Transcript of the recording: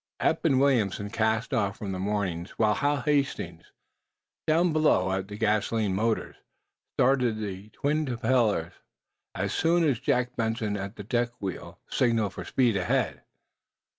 Eph and Williamson cast off from moorings while Hal Hastings, down below at the gasoline motors, started the twin propellers as soon as Jack Benson, at the deck wheel, signaled for speed ahead.